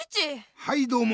はいどうも。